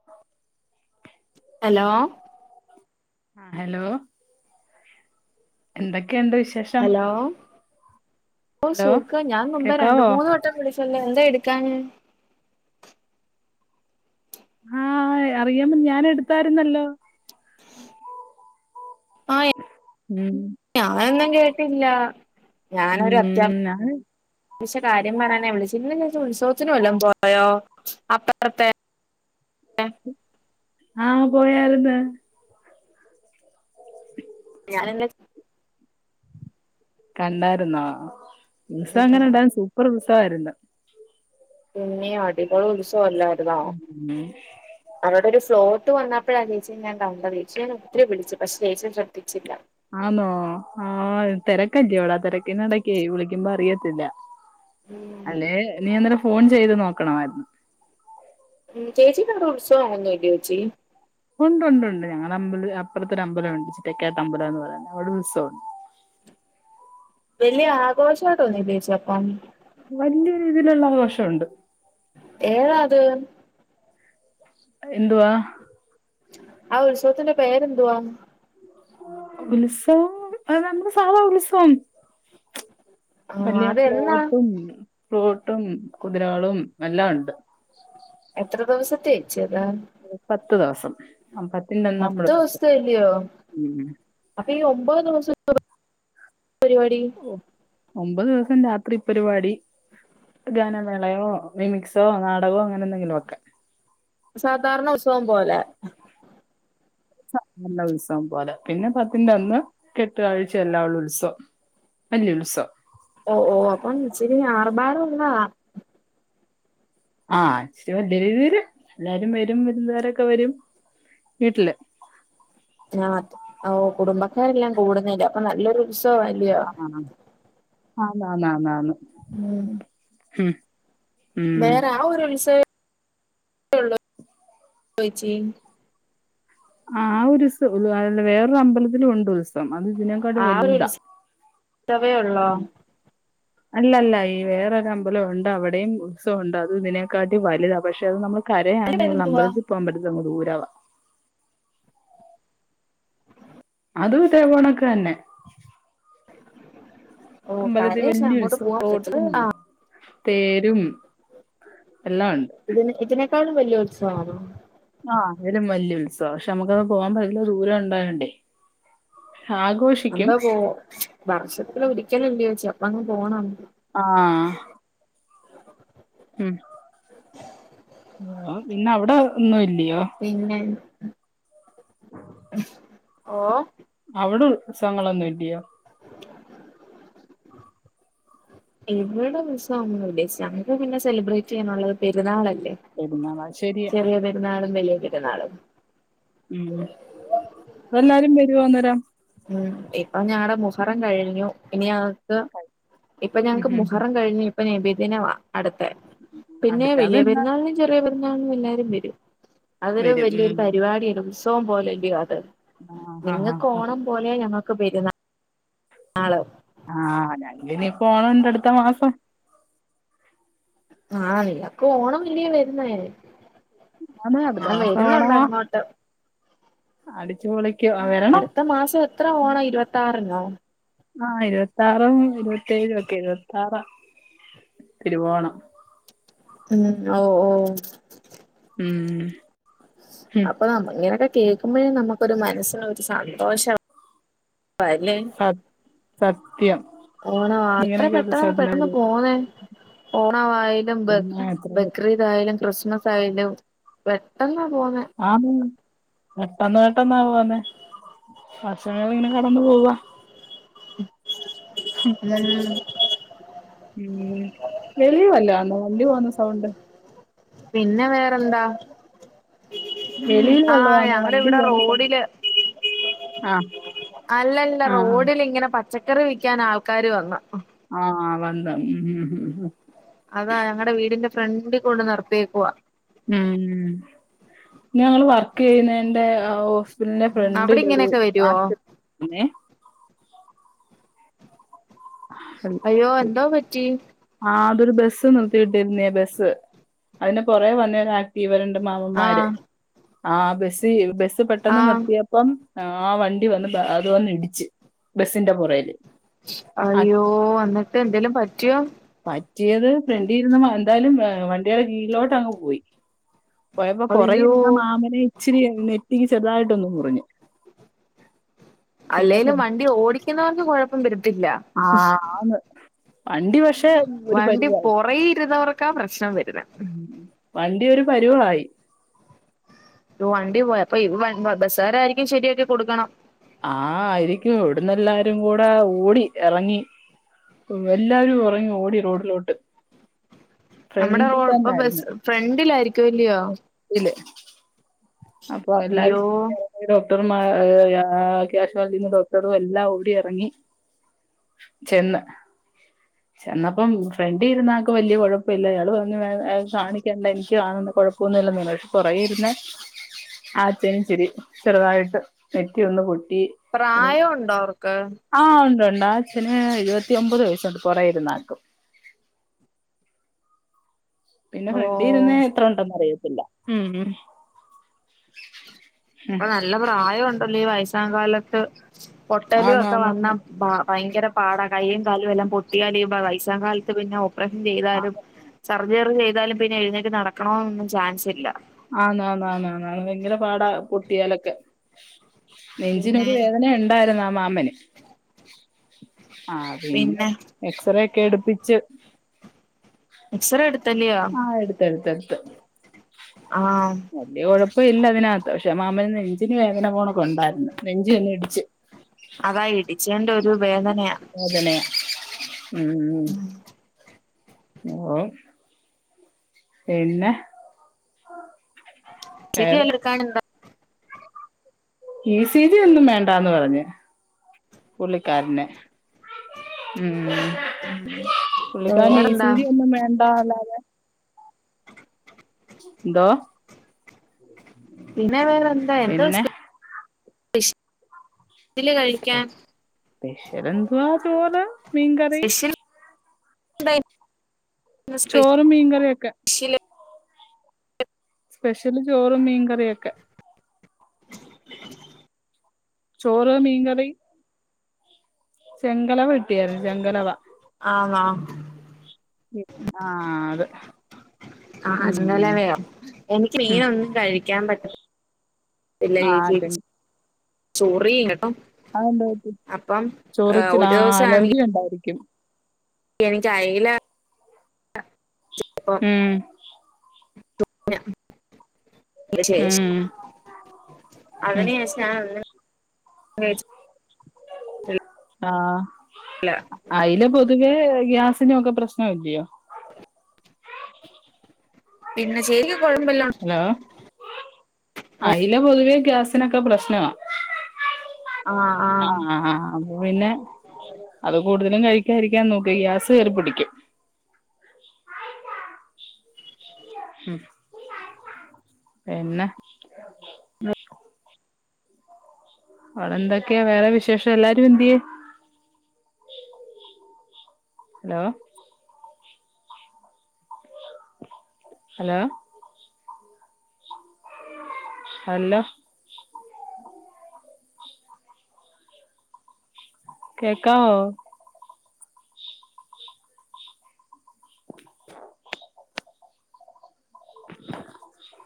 [inaudible] Hello hello എന്തൊക്കെയിണ്ട് വിശേ hello ഓ ഹലോ സുഖം ഞാൻ മുമ്പേ രണ്ട് കേക്കാവോ മൂന്ന് വട്ടം ട്ടം വിളിച്ചല്ലോ എന്താ എടുക്കാഞ്ഞെ? ആഹ് അറിയാം ഞാൻ എടുത്തായിരുന്നല്ലോ ആഹ് ഉം ഞാനൊന്നും കേട്ടില്ല ഞാനൊരു അത്യാ ഉം ഞാൻ വശ്യ കാര്യം പറയാനാ വിളിചെ ഇന്ന് ചേച്ചി ഉത്സവത്തിന് വല്ലോം പോയോ അപ്പറത്തെ ആ പോയാരിന്ന് ഞാനെന്റെ കണ്ടായിരുന്നോ ഉൽസവം എങ്ങനെ ഉം ഉണ്ടായിരുന്ന് സൂപ്പർ ഉൽസവായിരുന്നു പിന്നെ അടിപൊളി ഉത്സവല്ലാരുന്നോ ഉം അവിടൊരു ഫ്ലോട്ട് വന്നപ്പോഴാ ചേച്ചിനെ ഞാൻ കണ്ടത് ചേച്ചിനെ ഞാൻ ഒത്തിരി വിളിച്ചു പക്ഷെ ചേച്ചി ശ്രദ്ധിച്ചില്ല ആന്നോ ആ തിരക്കല്ലോടാ തിരക്കി നിടക്കായി വിളിക്കുമ്പോ അറിയത്തില്ല ഉം അല്ലെ നീ അന്നേരം ഫോൺ ചെയ്ത് നോക്കണമായിരുന്നു ഉം ചേച്ചിക്കവിടെ ഉത്സവം ഒന്നുല്ലേച്ചി ഒണ്ട് ഒണ്ട് ഞങ്ങളെ അമ്പല അപ്പുറത്തൊരു അമ്പലുണ്ട് ചിറ്റക്കാട്ട് അമ്പലം എന്ന് പറയുന്ന അവിടെ ഉത്സവമുണ്ട് വലിയ ആഘോഷായിട്ടോന്നൂല്ലേച്ചി അപ്പൊ വലിയ രീതിയിലുള്ള ആഘോഷമുണ്ട് ഏതാത് എന്തുവാ ആ ഉത്സവത്തിന്റെ പേരെന്തുവാ ഉത്സവം അത് നമ്മള് സാധാ ഉത്സവം ആഹ് വലിയ അതെന്നാ ഫ്ലോട്ടും ഫ്രൂട്ടും കുതിരകളും എല്ലാം ഉണ്ട് എത്ര ദിവസത്തെയേച്ചിയത് പത്ത് ദിവസം ആ പത്തിന്റെന്ന പത്ത് നമ്മള് [unintelligible] ദിവസത്തെ അല്ലയോ ഉം അപ്പൊ ഈ ഒമ്പത് ദിവസം എന്തുവാ പരിപാടി ഒമ്പത് ദിവസം രാത്രി പരിപാടി ഗാനമേളയോ മിമിക്സോ നാടകമോ അങ്ങനെ എന്തെങ്കിലുമൊക്കെ സാധാരണ ഉത്സവം പോലെ സാധാരണ ഉത്സവം പോലെ പിന്നെ പത്തിന്റെ അന്ന് കെട്ടുകഴ്ചായേല്ലാ ഉള്ള ഉത്സവം വല്ല്യ ഉൽസവം ഓ ഓ അപ്പൊച്ചിരി ആർഭാടൊള്ള ആഹ് ഇച്ചരി വലിയ രീതിയില് എല്ലാരും വരും വിരുന്നുകാരൊക്കെ വരും വീട്ടില് ആ ഓ കുടുംബക്കാരെല്ലാം കൂടുന്നില്ല അപ്പൊ നല്ലൊരു ഉത്സവല്ലയോ ആ ആന്നാന്നാന്നാന്ന് ഉം ഉം ഉം വേറെ ആ ഒരു ഉത്സവള്ളൊ ചേച്ചി ആ ആ ഒരു ഉത്സവുള്ളൂ വേറെ അമ്പലത്തിലും ഉണ്ട് ഉത്സവം അത് ഇതിനേക്കാളും വലുതാ അത്രയേള്ളോ അല്ലല്ല ഈ വേറൊരു അമ്പലൊണ്ട് അവിടെയും ഉത്സവുണ്ട് അത് ഇതിനെക്കാട്ടി വലുതാ പക്ഷെ അത് നമ്മൾ അതിന്റെ കരയാന്നേ പേര് ഉള്ളു എന്തുവാ? അമ്പലത്തിൽ പോകമ്പറ്റത്തില്ല അങ്ങ് ദൂരവാം അത് ഇതേപൊണക്ക് തന്നെ ഓ അമ്പലത്തി കരേശ് വല്യ അങ്ങോട്ട് ഉത്സവ പോവാൻ പറ്റത്തില്ല കോട്ടും തേരും എല്ലാം ഉണ്ട് ഇതിന് ഇതിനേക്കാളും വലിയ ഉത്സവണോ ആഹ ലും വലിയ ഉത്സവം പക്ഷെ നമുക്കത് പോകാൻ ല്ല ദൂരം ഉണ്ടായൊണ്ടേ എന്താ പോ വർഷത്തില് ഒരിക്കല ല്ലയൊ ചേച്ചി അപ്പ അങ്ങ് പോണം ആഹ ഉം ഓ പിന്നെ അവിടെ ഒന്നും ഇല്ലയോ പിന്നെ ഓ അവിടെ ഉ ത്സവങ്ങളൊന്നും ഇല്ലയോ എവിടെ ഉത്സവം ഒന്നുല്ലേച്ചി നമ്മൾ ഉദ്ദേശിച്ചു നമുക്ക് പിന്നെ സെലിബ്രേറ്റ് ചെയ്യാനുള്ളത് പെരുന്നാളല്ലേ പെരുന്നാള ശരിയ നാടും [unintelligible] നാളും ഉം എല്ലാരും വരുവോന്നേരം ഉം ഇപ്പൊ ഞങ്ങടെ മുഹറം കഴിഞ്ഞു ഇനി അക്ക് ഇപ്പൊ ഉം ഞങ്ങക്ക് ഉം മുഹറം കഴിഞ്ഞു ഇപ്പൊ നെബിദിനവാ അട്ത്തെ പിന്നെ വല്യയ അടുത്തതെന്നാ പെരുന്നാളിനും ചെറിയ പെരുന്നാളിനും എല്ലാരും വരും. അതൊരു വരും വല്യൊരു ഉം പരിപാടിയ ഉത്സവം പോലല്ല്യോ അത് ആഹ് ഹാ ഹാ നിങ്ങക്ക് ഹാ ഓണം പോലെ ഞങ്ങക്ക് പെ ആള് ആഹ് ഞങ്ങിനി പോണം ഇണ്ട് അടുത്ത മാസം ആഹ് നിങ്ങക്ക് ഓണം വല്യേ വരുന്നെ. ആണ് അടുത്ത ഞാൻ മാസം വരുന്നുണ്ടോ അങ്ങോട്ട്. അടിച്ചുപൊളി അടുത്ത മാസം എത്ര ഓണം ഇരുപത്തി ആറിനോ? ആ ഇരുപത്ത ആറും ഇരുപത്തേഴും ഒക്കെ ഇരുപത്താറ തിരുവോണം ഉം ഓ ഓ മം അപ്പൊ ന ഇങ്ങനൊക്കെ കേൾക്കുമ്പഴേ നമുക്കരു മനസ്സിന് ഒരു സന്തോഷം അല്ലേ സത് സത്യം ഓനെ മാ ത്ര ഇങ്ങനെയൊക്കെ ഒരു പെട്ടെന്ന് പെട്ടന്ന് സാധനാണ് പോന്നെ? ഓണവായാലും ബ പിന്നെ എത്ര ബക്രി തായാലും ക്രിസ്മസ് ആയാലും പെട്ടെന്ന പോന്നെ ആ പെട്ടെന്ന് പെട്ടെന്നാ പോന്നെ വക്ഷങ്ങള ഇങ്ങനെ കടന്നു പോവാ മം ഉം വലിവല്ലോ ആന്നോ വണ്ടിപൊന്ന സൗണ്ട് പിന്നെ വേറെന്താ വെളിയിൽ വല്ലോം ആഹ് ആന്നോ ഞങ്ങ വണ്ടി ഇവിടെ പോകുന്ന സൗ റോഡില് ആഹ് അല്ലല്ല. ആഹ് റോഡിലിങ്ങനെ പച്ചക്കറി വിൽക്കാൻ ആൾക്കാര് വന്ന്. ആഹ് വന്ത ഉം അതാ ഞങ്ങളടെ വീടിന്റെ ഫ്രണ്ടി കൊണ്ട് നിർത്തിയേക്കുവ ഉം ഞങ്ങള് വർക്ക് ചെയ്യുന്ന എന്റെ ന്റെ അവിടെ ഫ്രണ്ടിലൊ ഒരു ഇങ്ങനെയൊക്കെ വരുവോ ആന്നെ അയ്യോ എന്തോ പറ്റി? ആ അതൊരു ബസ് നിർത്തിട്ടെരുന്ന ബസ്സ് അതിനെ പുറേ വന്ന ഇവരന്റെ മാമമാര് ആഹ് ആ ബസി ബസ്സ് പെട്ടെന്ന് ആഹ് നിർത്തിയ അപ്പം ആ വണ്ടി വന്ന് അത് വന്ന് ഇടിച്ച് ബസിന്റെ പുറകിൽ അയ്യോ എന്നിട്ട് എന്തെേലും പറ്റിയോ പറ്റിയത് ഫ്രണ്ടിയിരുന്ന് എന്താലും വണ്ടിയുടെ കീഴിലോട്ട് അങ്ങ് പോയി പോയപ്പോ അയ്യോ കൊറയിരുന്ന മാമനെ ഇച്ചിരി നെറ്റിക്ക് ചെറുതായിട്ടൊന്നു മുറിഞ്ഞ് അല്ലേലും പിന്നെ വണ്ടി ഓടിക്കുന്നവർക്ക് കുഴപ്പം വരത്തില്ല ആഹ് അന്ന് വണ്ടി പക്ഷേ ഒരു വണ്ടി പരിവായി പുറകെ ഇരുന്നവർക്കാ പ്രശ്നം വരുന്നത് വണ്ടി ഒരു പരുവായി വണ്ടി പോയി അപ്പൊ ബസ്സാരായിരിക്കും ശരിയൊക്കെ കൊടുക്കണം ആ ആയിരിക്കും എവിടന്ന് എല്ലാരും കൂടെ ഓടി ഇറങ്ങി എല്ലാവാരും ഉറങ്ങി ഓടി റോഡിലോട്ട് നമ്മുടെ റോ ഫ്രണ്ടിൽ ഇപ്പ ബസ് തന്നായിരുന്നു ഫ്രണ്ടിലായിരിക്കും അല്ലയോ ൻ്റ്ല് അപ്പൊ എല്ലാരും അയ്യോ ഡോക്ടർ യക്യാഷവാലിറ്റിന്ന് ഡോക്ടറും എല്ലാം ഓടി ഇറങ്ങി ചെന്ന് ചെന്നപ്പം ഫ്രണ്ട് ഇരുന്നാൾക്ക് വലിയ കുഴപ്പമില്ല അയാൾ പറഞ്ഞു കാണിക്കേണ്ട എനിക്ക്ണു കുഴപ്പ പുന്നില്ല പുറകിൽ ഇരുന്നെ ആൾടെ ചെറുതായിട്ട് നെറ്റി ഒന്ന് പൊട്ടി പ്രായംണ്ടോ അവർക്ക് ആ ഉണ്ട് ഉണ്ട് അച്ഛന് എഴുപത്തി ഒമ്പത് വയസ്സ് ഒണ്ട് പുകിലിരുന്ന ആ ക്ക് പിന്നെ ഓ ഫ്രണ്ടി ഇരുന്നേ എത്ര ഉണ്ടെന്ന്റിയത്തില്ല ഉം ഉം ഇപ്പൊ നല്ല പ്രായംണ്ടല്ലോ ഈ വയസ്സാ കാലത്ത് പൊട്ടലും ആന്ന് ഒക്കെ ആന്ന് വന്ന ഭയങ്കര പാടാ കയ്യും കാലും എല്ലാം പൊട്ടിയാല് വൈസാ കാലത്ത് പിന്നെ പ്പറേഷം ചെയ്താലും സർജറി ചെയ്താലും പിന്നെ എഴുന്നേറ്റ് നടക്കണൊന്നൊന്നും ചാൻസ് ഇല്ല ആന്ന് ആന്ന് ഭയങ്കര പാടാ പൊട്ടിയാലൊക്കെ പിന്നെ നെഞ്ചിനൊരു വേദന ഉണ്ടായിരുന്നു ആ മാമന് ആ പിന്നെ എക്സറേ ഒക്കെ എടുപ്പിച്ച് എക്സറേ എടുത്തല്ലെയോ ആ എടുത്ത് എടുത്ത് എടുത്ത് ആഹ് വലിയ കുഴപ്പല്ല അതിനകത്ത് പക്ഷെ മാമന് നെഞ്ചിന് വേദന പോണ കൊണ്ടായിരുന്നു നെഞ്ചി ഒന്ന് ഇടിച്ച് അതാ ഇടിച്ചേന്റെ ഒരു വേദനയാ വേദനയാ ഉം ഉം ഓഹ് പിന്നെ ഇ സി ജി വേറെ എല്ലാം കാണുന്ന ഇ സി ജി ഒന്നും വേണ്ടാന്ന് പറഞ്ഞ് പുള്ളിക്കാരന് ഉം ഉം പുള്ളിക്കാരന് ഇ സി വേറെന്താ ജി ഒന്നും വേണ്ട അല്ലാതെ എന്തോ പിന്നെ വേറെ എന്താ എന്തോ പിന്നെ സ്പെഷ്യല് കഴിക്കാൻ ഈ ശ്വരാ എന്തുവാ തോല് സ്പെഷ്യൽ ചോറും മീൻകറിയൊക്കെ [unintelligible] സ്പെഷ്യല് ചോറും മീൻകറിയൊക്കെ ചോറ് മീൻകറി ചെങ്കലവ കട്ടിയായിരുന്നു ചെങ്കലവ ആണോ ആഹ് അത് ആഹ് അതെന്താന്ന് ഉം അറിയുവോ എനിക്ക് മീൻ ഉം ഒന്നും കഴിക്കാൻ പറ്റി ഇല്ല ആഹ് ചെ [unintelligible] ചൊറിയും കേട്ടോ അത്ണ്ടായിട്ടും അപ്പം ചോറിച്ചില് ഒരു ആ ദിവസം ആണെങ്കി അലർജി ഉണ്ടായിരിക്കും എനിക്ക് അയല പ്പം ഉം തും ഞാൻ ശേഷം ഉം ഉം അവനെ [unintelligible] ആഹ് അല്ല അയില പൊതുവേ ഗ്യാസിനൊക്കെ പ്രശ്നം അല്ലയോ പിന്നെ ചെയ്യും ഹലോ ആഹ് അയില പൊതുവേ ഗ്യാസിനൊക്കെ പ്രശ്നമാ ആഹ് ആഹ് അപ്പൊ പിന്നെ അത് കൂടുതലും കഴിക്കാതിരിക്കാൻ നോക്കുക ഗ്യാസ് കയറി പിടിക്കും ഉം പിന്നെ അവിടെ എന്തൊക്കെയാ വേറെ വിശേഷം എല്ലാരും എന്തിയേ ഹലോ ഹലോ ഹല്ലോ കേൾക്കാവോ [inaudible]